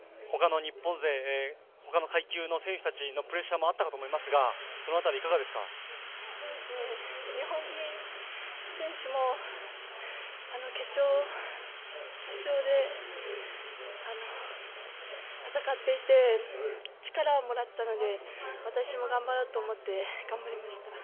他の階級の選手たち、プレッシャーもあったと思いますが日本人選手も決勝で戦っていて力をもらったので、私も頑張ろうと思って頑張りました。